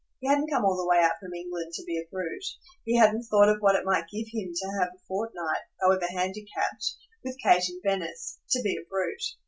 He hadn't come all the way out from England to be a brute. He hadn't thought of what it might give him to have a fortnight, however handicapped, with Kate in Venice, to be a brute.